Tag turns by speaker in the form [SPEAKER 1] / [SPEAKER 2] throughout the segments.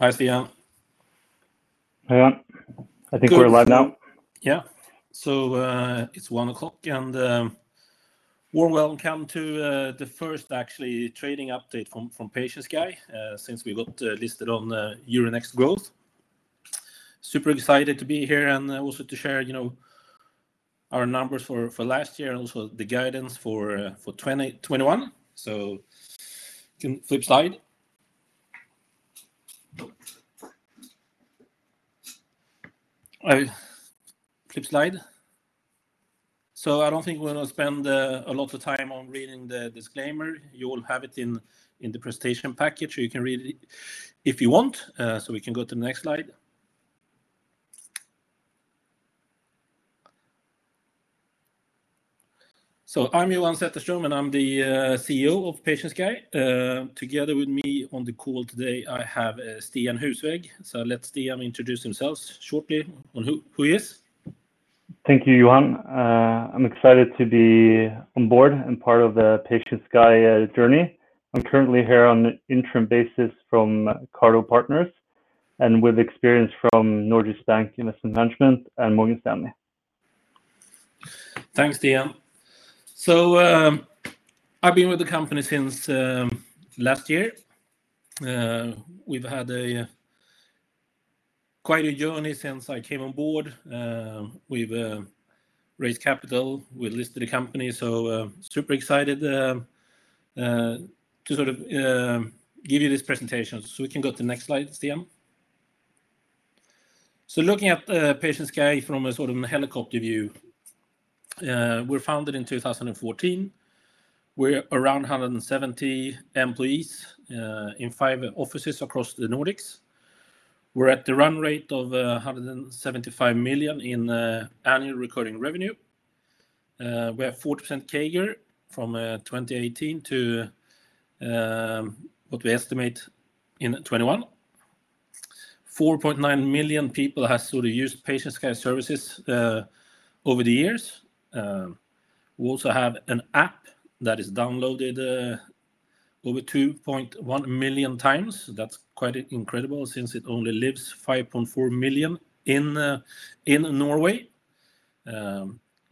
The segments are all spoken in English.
[SPEAKER 1] Hi, Stian.
[SPEAKER 2] Hey. I think we're live now.
[SPEAKER 1] Yeah. It's 1:00 P.M., and warm welcome to the first actually trading update from PatientSky since we got listed on Euronext Growth. Super excited to be here and also to share our numbers for last year, and also the guidance for 2021. Can flip slide. Flip slide. I don't think we're going to spend a lot of time on reading the disclaimer. You will have it in the presentation package, so you can read it if you want. We can go to the next slide. I'm Johan Zetterström, and I'm the CEO of PatientSky. Together with me on the call today, I have Stian Husvæg. Let Stian introduce himself shortly on who he is.
[SPEAKER 2] Thank you, Johan. I'm excited to be on board and part of the PatientSky journey. I'm currently here on an interim basis from Cardo Partners, with experience from Nordea Bank Investment Management and Morgan Stanley.
[SPEAKER 1] Thanks, Stian. I've been with the company since last year. We've had quite a journey since I came on board. We've raised capital. We listed the company, super excited to sort of give you this presentation. We can go to the next slide, Stian. Looking at PatientSky from a sort of helicopter view. We were founded in 2014. We're around 170 employees in five offices across the Nordics. We're at the run rate of 175 million in annual recurring revenue. We have 40% CAGR from 2018 to what we estimate in 2021. 4.9 million people have sort of used PatientSky services over the years. We also have an app that is downloaded over 2.1 million times. That's quite incredible since it only lives 5.4 million in Norway.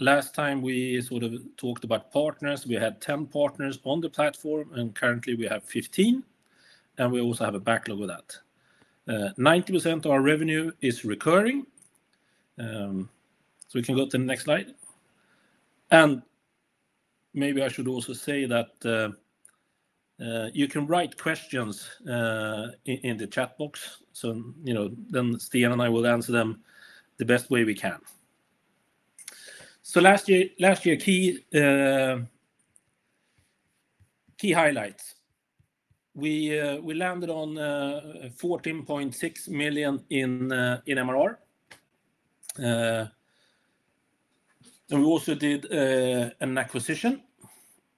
[SPEAKER 1] Last time we sort of talked about partners, we had 10 partners on the platform, and currently we have 15, and we also have a backlog of that. 90% of our revenue is recurring. We can go to the next slide. Maybe I should also say that you can write questions in the chat box, Stian and I will answer them the best way we can. Last year, key highlights. We landed on 14.6 million in MRR. We also did an acquisition.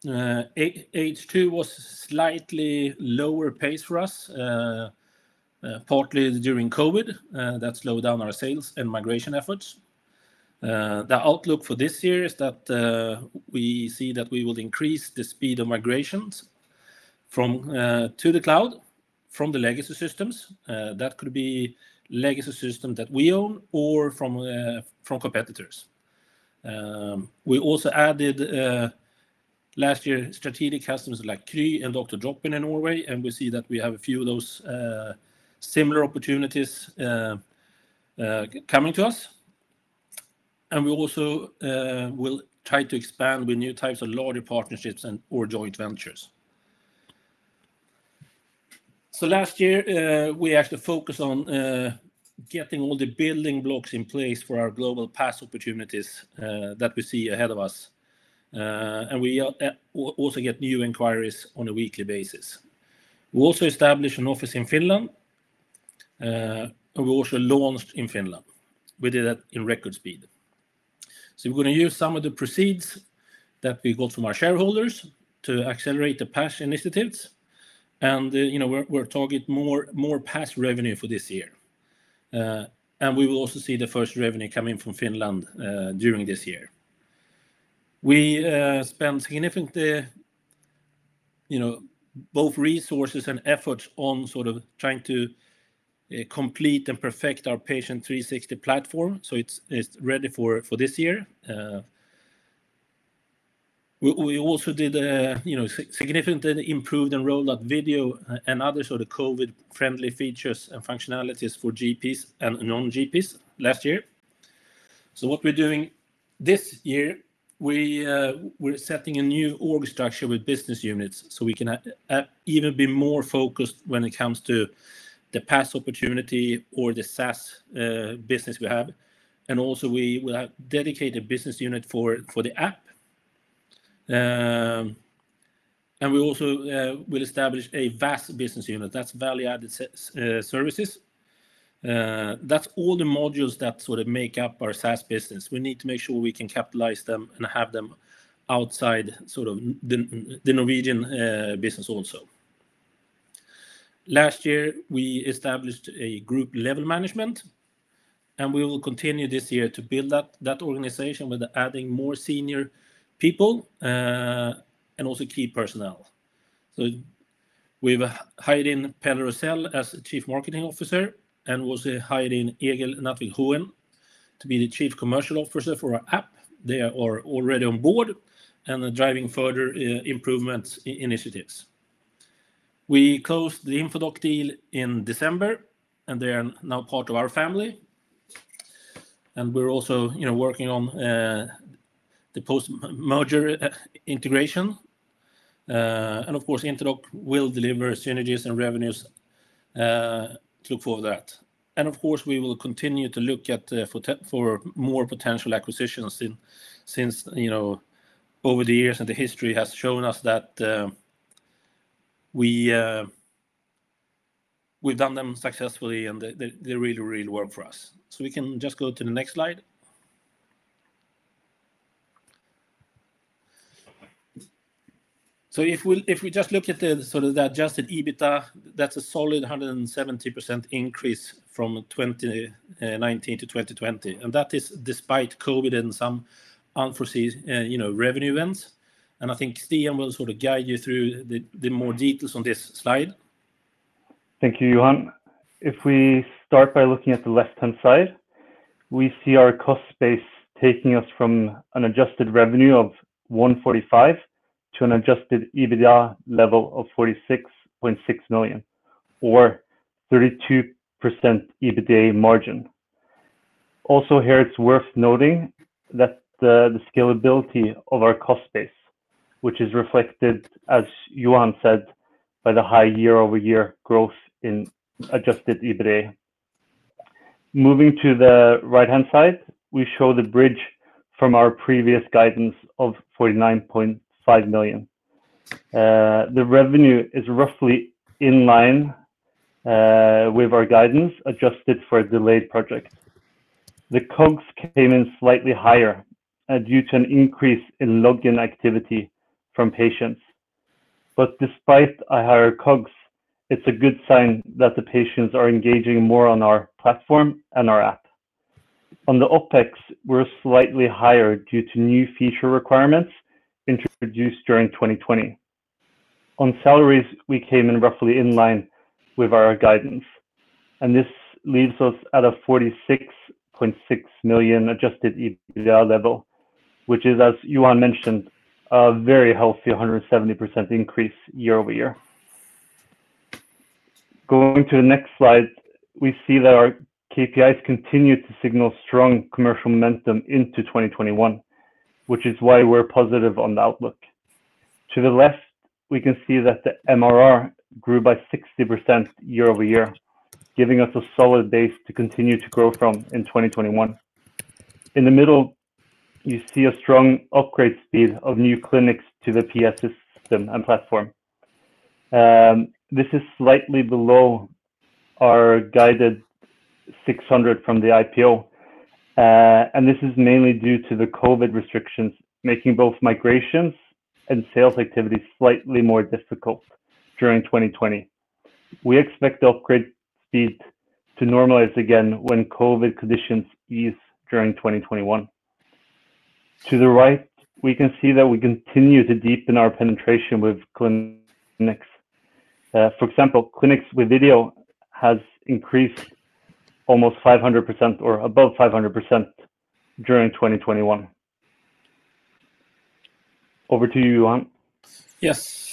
[SPEAKER 1] H2 was slightly lower pace for us, partly during COVID. That slowed down our sales and migration efforts. The outlook for this year is that we see that we will increase the speed of migrations to the cloud from the legacy systems. That could be legacy system that we own or from competitors. We also added, last year, strategic customers like Kry and Dr. Dropin in Norway. We see that we have a few of those similar opportunities coming to us. We also will try to expand with new types of larger partnerships and/or joint ventures. Last year, we actually focused on getting all the building blocks in place for our global PaaS opportunities that we see ahead of us. We also get new inquiries on a weekly basis. We also established an office in Finland, and we also launched in Finland. We did that in record speed. We're going to use some of the proceeds that we got from our shareholders to accelerate the PaaS initiatives, and we're targeting more PaaS revenue for this year. We will also see the first revenue coming from Finland during this year. We spent significant both resources and efforts on sort of trying to complete and perfect our PatientSky 360 platform so it's ready for this year. We also did a significant improved and rolled out video and other sort of COVID-friendly features and functionalities for GPs and non-GPs last year. What we're doing this year, we're setting a new org structure with business units so we can even be more focused when it comes to the PaaS opportunity or the SaaS business we have. Also we will have dedicated business unit for the app. We also will establish a VAS business unit, that's value-added services. That's all the modules that sort of make up our SaaS business. We need to make sure we can capitalize them and have them outside sort of the Norwegian business also. Last year, we established a group level management. We will continue this year to build that organization with adding more senior people, also key personnel. We've hired in Pelle Rosell as Chief Marketing Officer and also hired in Egil Natvik Noen to be the Chief Commercial Officer for our app. They are already on board and are driving further improvement initiatives. We closed the Infodoc deal in December. They are now part of our family. We're also working on the post-merger integration. Of course, Infodoc will deliver synergies and revenues to cover that. Of course, we will continue to look for more potential acquisitions since over the years, the history has shown us that we've done them successfully, and they really, really work for us. We can just go to the next slide. If we just look at the adjusted EBITDA, that's a solid 170% increase from 2019 to 2020. That is despite COVID and some unforeseen revenue events. I think Stian will guide you through the more details on this slide.
[SPEAKER 2] Thank you, Johan. If we start by looking at the left-hand side, we see our cost base taking us from an adjusted revenue of 145 to an adjusted EBITDA level of 46.6 million, or 32% EBITDA margin. Also here, it's worth noting that the scalability of our cost base, which is reflected, as Johan said, by the high year-over-year growth in adjusted EBITDA. Moving to the right-hand side, we show the bridge from our previous guidance of 49.5 million. The revenue is roughly in line with our guidance, adjusted for a delayed project. The COGS came in slightly higher due to an increase in login activity from patients. Despite a higher COGS, it's a good sign that the patients are engaging more on our platform and our app. On the OpEx, we're slightly higher due to new feature requirements introduced during 2020. On salaries, we came in roughly in line with our guidance. This leaves us at a 46.6 million adjusted EBITDA level, which is, as Johan mentioned, a very healthy 170% increase year-over-year. Going to the next slide, we see that our KPIs continued to signal strong commercial momentum into 2021, which is why we're positive on the outlook. To the left, we can see that the MRR grew by 60% year-over-year, giving us a solid base to continue to grow from in 2021. In the middle, you see a strong upgrade speed of new clinics to the PatientSky system and platform. This is slightly below our guided 600 from the IPO. This is mainly due to the COVID restrictions, making both migrations and sales activities slightly more difficult during 2020. We expect the upgrade speed to normalize again when COVID conditions ease during 2021. To the right, we can see that we continue to deepen our penetration with clinics. For example, clinics with video has increased above 500% during 2021. Over to you, Johan.
[SPEAKER 1] Yes.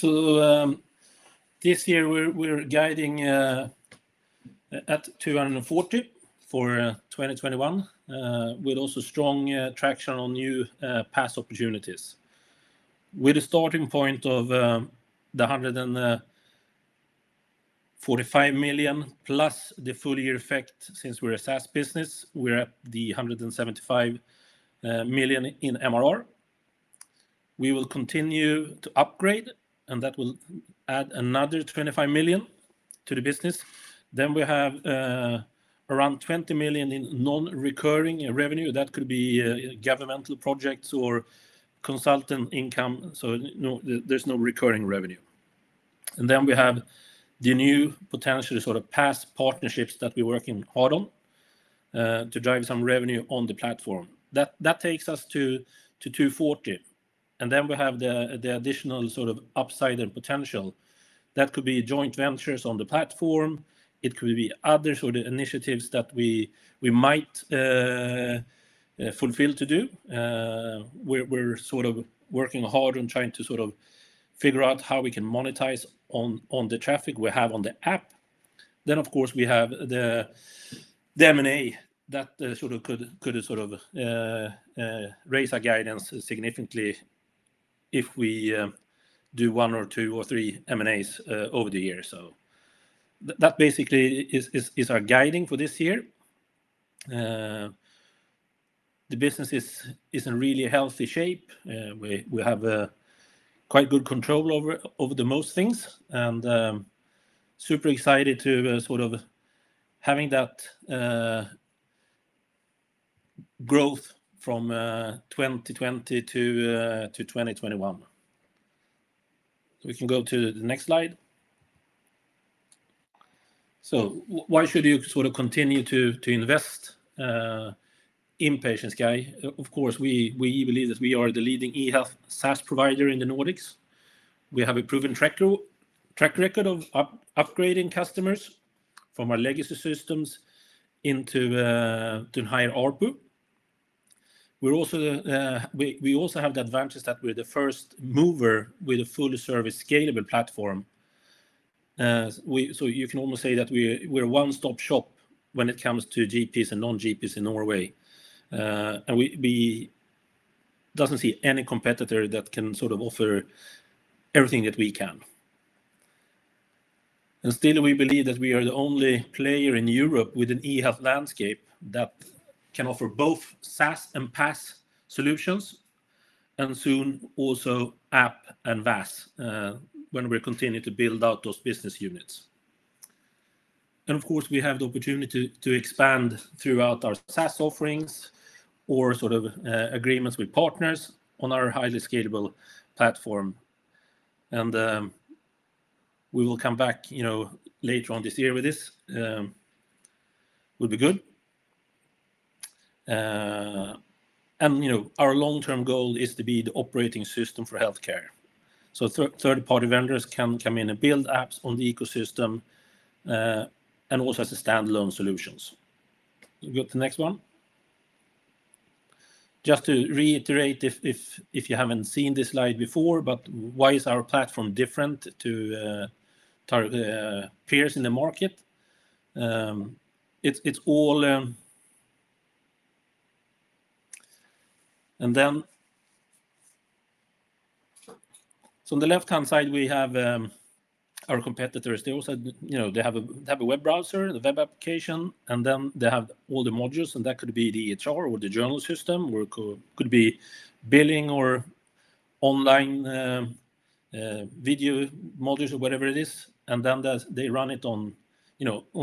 [SPEAKER 1] This year we're guiding at NOK 240 million for 2021, with also strong traction on new PaaS opportunities. With a starting point of the 145 million plus the full year effect, since we're a SaaS business, we're at the 175 million in MRR. We will continue to upgrade, and that will add another 25 million to the business. We have around 20 million in non-recurring revenue. That could be governmental projects or consultant income. There's no recurring revenue. We have the new potential PaaS partnerships that we're working hard on to drive some revenue on the platform. That takes us to 240 million. We have the additional upside and potential. That could be joint ventures on the platform. It could be other sort of initiatives that we might fulfill to do. We're working hard on trying to figure out how we can monetize on the traffic we have on the app. Of course, we have the M&A that could raise our guidance significantly if we do one or two or three M&As over the year or so. That basically is our guiding for this year. The business is in really healthy shape. We have quite good control over the most things, and super excited to having that growth from 2020 to 2021. We can go to the next slide. Why should you continue to invest in PatientSky? Of course, we believe that we are the leading e-Health SaaS provider in the Nordics. We have a proven track record of upgrading customers from our legacy systems into higher ARPU. We also have the advantage that we're the first mover with a full-service scalable platform. You can almost say that we're a one-stop shop when it comes to GPs and non-GPs in Norway. We don't see any competitor that can offer everything that we can. Still, we believe that we are the only player in Europe with an e-Health landscape that can offer both SaaS and PaaS solutions, and soon also App and VAS, when we continue to build out those business units. Of course, we have the opportunity to expand throughout our SaaS offerings or agreements with partners on our highly scalable platform. We will come back later on this year with this. Would be good. Our long-term goal is to be the operating system for healthcare. Third-party vendors can come in and build apps on the ecosystem, and also as standalone solutions. Go to the next one. Just to reiterate, if you haven't seen this slide before, why is our platform different to peers in the market? On the left-hand side, we have our competitors. They have a web browser, the web application, they have all the modules, that could be the EHR or the journal system or billing or online video modules or whatever it is. They run it on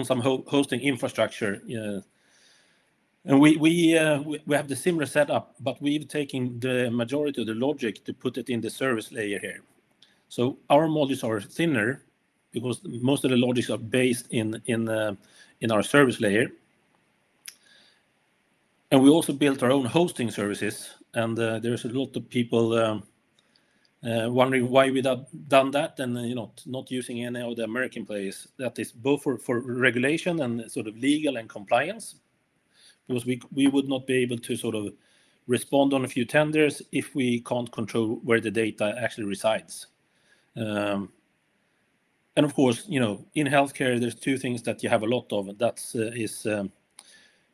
[SPEAKER 1] some hosting infrastructure. We have the similar setup, we've taken the majority of the logic to put it in the service layer here. Our modules are thinner because most of the logics are based in our service layer. We also built our own hosting services, there's a lot of people wondering why we have done that and not using any of the American players. That is both for regulation and legal and compliance, because we would not be able to respond on a few tenders if we can't control where the data actually resides. Of course, in healthcare, there's two things that you have a lot of. That is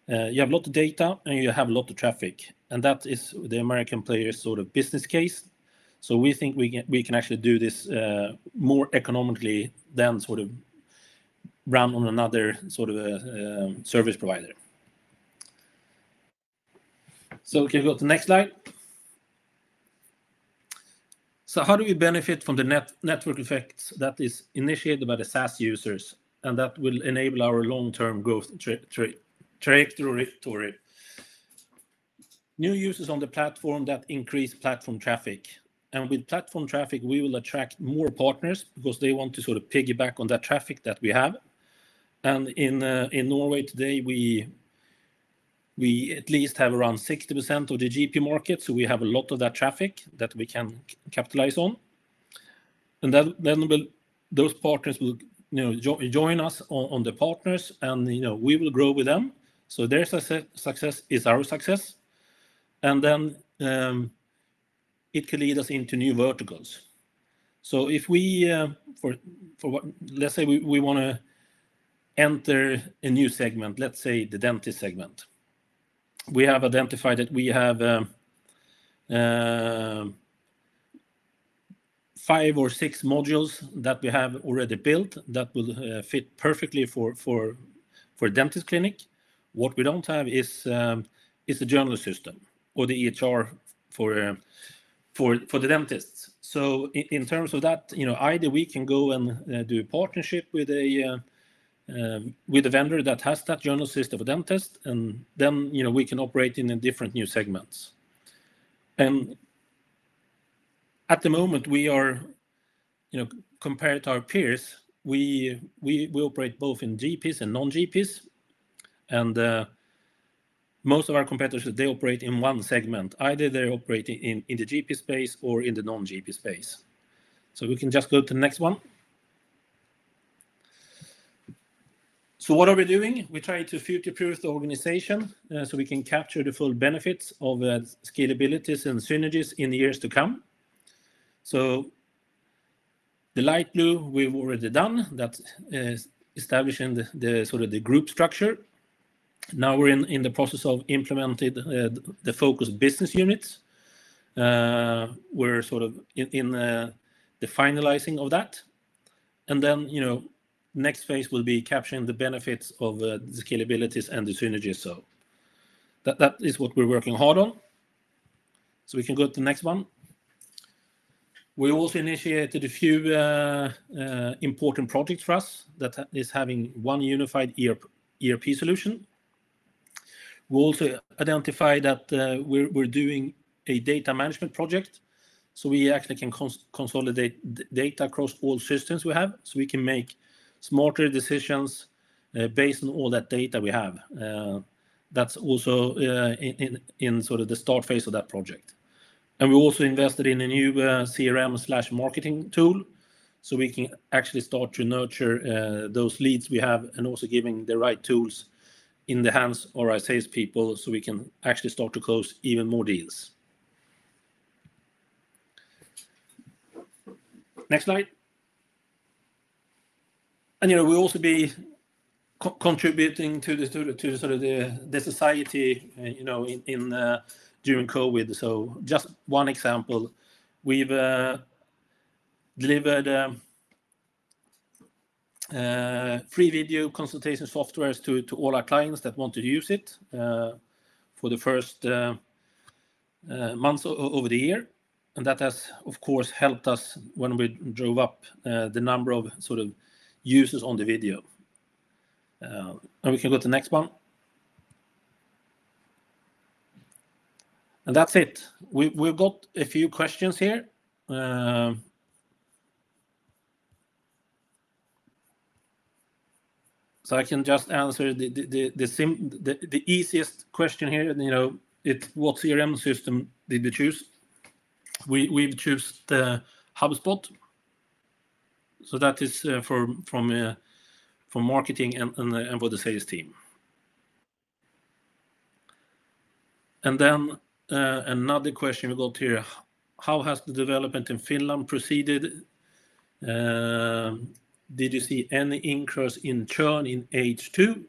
[SPEAKER 1] you have a lot of data, and you have a lot of traffic, and that is the American players' business case. We think we can actually do this more economically than run on another sort of service provider. Can we go to the next slide? How do we benefit from the network effects that is initiated by the SaaS users and that will enable our long-term growth trajectory? New users on the platform that increase platform traffic. With platform traffic, we will attract more partners because they want to piggyback on that traffic that we have. In Norway today, we at least have around 60% of the GP market, so we have a lot of that traffic that we can capitalize on. Those partners will join us on the partners, and we will grow with them. Their success is our success. It can lead us into new verticals. Let's say we want to enter a new segment, let's say the dentist segment. We have identified that we have five or six modules that we have already built that will fit perfectly for dentist clinic. What we don't have is the journal system or the EHR for the dentists. In terms of that, either we can go and do a partnership with a vendor that has that journal system for dentist, and then we can operate in different new segments. At the moment, compared to our peers, we operate both in GPs and non-GPs, and most of our competitors, they operate in one segment. Either they operate in the GP space or in the non-GP space. We can just go to the next one. What are we doing? We're trying to future-proof the organization so we can capture the full benefits of the scalabilities and synergies in the years to come. The light blue we've already done, that's establishing the group structure. Now we're in the process of implementing the focused business units. We're in the finalizing of that. Next phase will be capturing the benefits of the scalabilities and the synergies. That is what we're working hard on. We can go to the next one. We also initiated a few important projects for us that is having one unified ERP solution. We also identified that we're doing a data management project, so we actually can consolidate data across all systems we have, so we can make smarter decisions based on all that data we have. That's also in the start phase of that project. We also invested in a new CRM/marketing tool so we can actually start to nurture those leads we have, and also giving the right tools in the hands of our salespeople so we can actually start to close even more deals. Next slide. We'll also be contributing to the society during COVID. Just one example, we've delivered free video consultation softwares to all our clients that want to use it for the first months of the year. That has, of course, helped us when we drove up the number of users on the video. We can go to the next one. That's it. We've got a few questions here. I can just answer the easiest question here. What CRM system did you choose? We've choose the HubSpot. That is for marketing and for the sales team. Another question we got here, how has the development in Finland proceeded? Did you see any increase in churn in H2?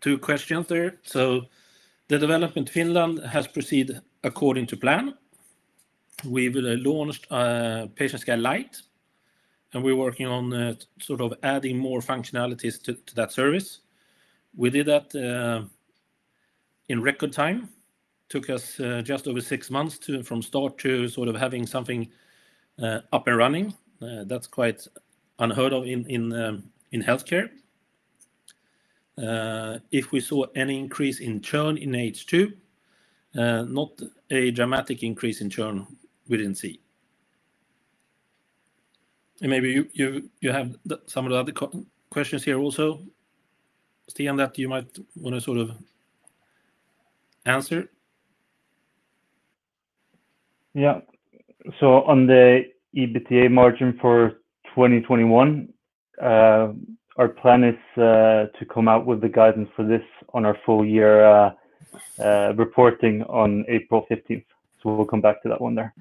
[SPEAKER 1] Two questions there. The development in Finland has proceeded according to plan. We've launched PatientSky Lite, and we're working on adding more functionalities to that service. We did that in record time. Took us just over six months from start to having something up and running. That's quite unheard of in healthcare. If we saw any increase in churn in H2, not a dramatic increase in churn we didn't see. Maybe you have some of the other questions here also, Stian, that you might want to answer.
[SPEAKER 2] On the EBITDA margin for 2021, our plan is to come out with the guidance for this on our full year reporting on April 15th. We'll come back to that one there.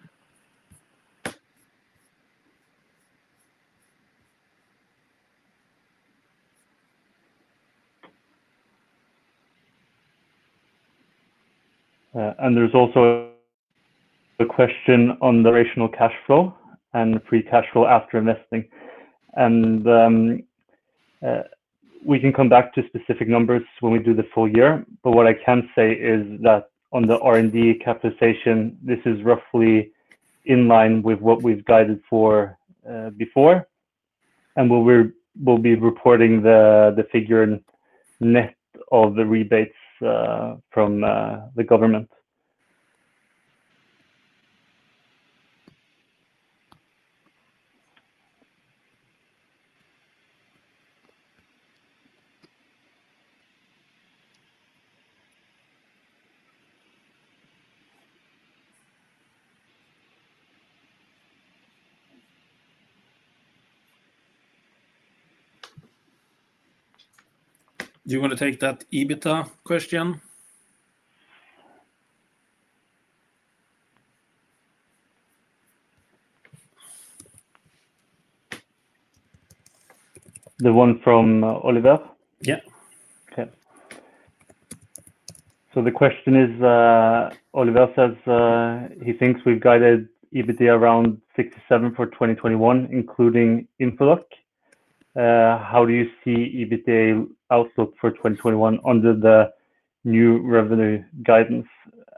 [SPEAKER 2] There's also the question on the operational cash flow and the free cash flow after investing. We can come back to specific numbers when we do the full year, but what I can say is that on the R&D capitalization, this is roughly in line with what we've guided for before. We'll be reporting the figure net of the rebates from the government.
[SPEAKER 1] Do you want to take that EBITDA question?
[SPEAKER 2] The one from Oliver?
[SPEAKER 1] Yeah.
[SPEAKER 2] The question is, Oliver says he thinks we've guided EBITDA around 67 for 2021, including Infodoc. How do you see EBITDA outlook for 2021 under the new revenue guidance?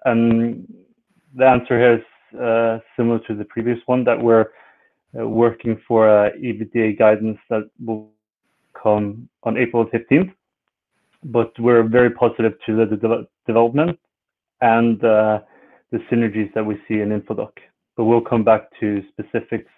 [SPEAKER 2] The answer here is similar to the previous one, that we're working for EBITDA guidance that will come on April 15th, but we're very positive to the development and the synergies that we see in Infodoc. We'll come back to specifics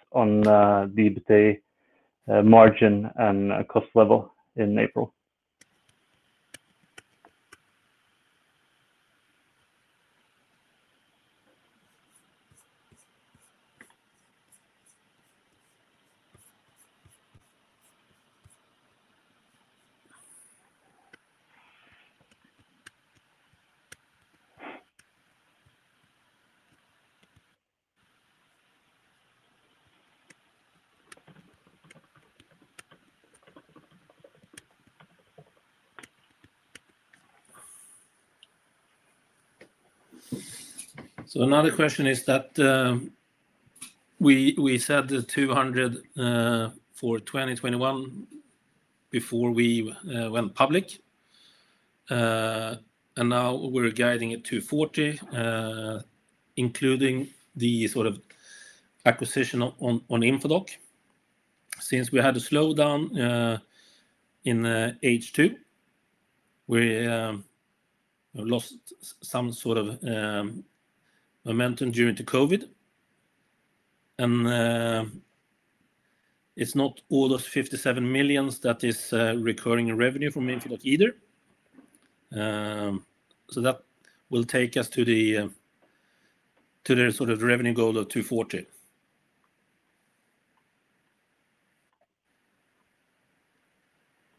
[SPEAKER 2] on the EBITDA margin and cost level in April.
[SPEAKER 1] Another question is that we said NOK 200 for 2021 before we went public. Now we're guiding at 240, including the acquisition on Infodoc. Since we had a slowdown in H2, we lost some sort of momentum during the COVID. It's not all those 57 million that is recurring revenue from Infodoc either. That will take us to the revenue goal of 240.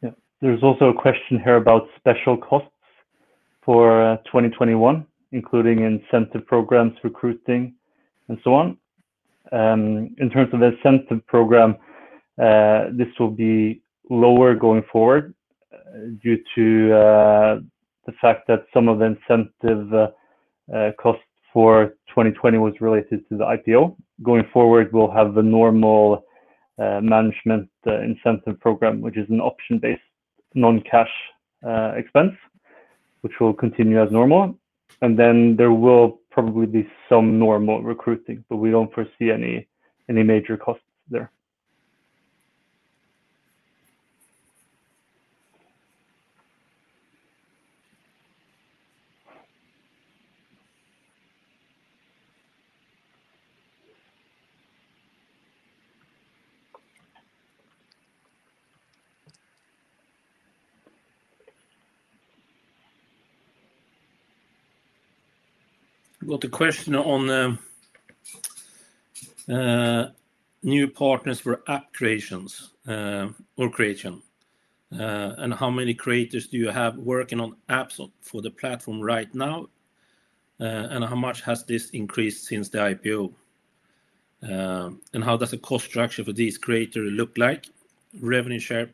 [SPEAKER 2] Yeah. There's also a question here about special costs for 2021, including incentive programs, recruiting, and so on. In terms of the incentive program, this will be lower going forward due to the fact that some of the incentive costs for 2020 was related to the IPO. Going forward, we'll have the normal management incentive program, which is an option-based non-cash expense, which will continue as normal. Then there will probably be some normal recruiting, but we don't foresee any major costs there.
[SPEAKER 1] We got a question on new partners for app creation. How many creators do you have working on apps for the platform right now, and how much has this increased since the IPO? How does the cost structure for these creators look like, revenue share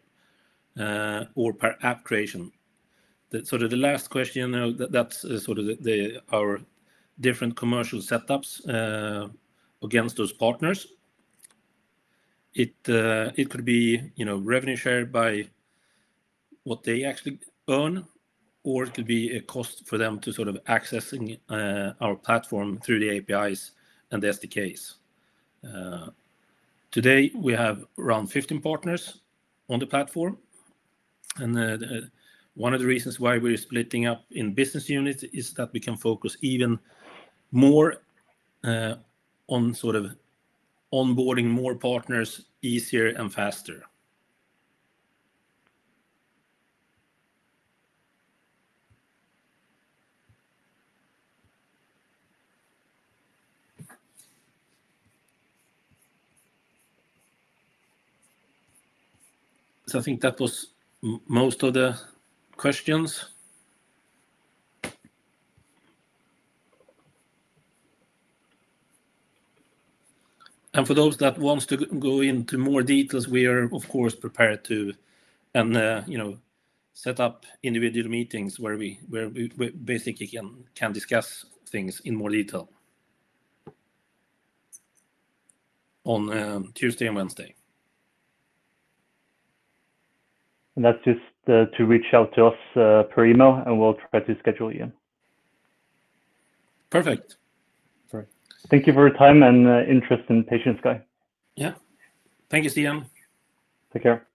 [SPEAKER 1] or per app creation? The last question, that's our different commercial setups against those partners. It could be revenue shared by what they actually earn, or it could be a cost for them to access our platform through the APIs and the SDKs. Today, we have around 15 partners on the platform, and one of the reasons why we're splitting up in business units is that we can focus even more on onboarding more partners easier and faster. I think that was most of the questions. For those that want to go into more details, we are of course prepared to set up individual meetings where we basically can discuss things in more detail on Tuesday and Wednesday.
[SPEAKER 2] That's just to reach out to us per email, and we'll try to schedule you in.
[SPEAKER 1] Perfect.
[SPEAKER 2] Sorry. Thank you for your time and interest and patience, guys.
[SPEAKER 1] Yeah. Thank you, Stian.
[SPEAKER 2] Take care.